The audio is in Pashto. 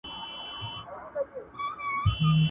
د ټولنې د ښه والي لپاره تل هڅه وکړئ.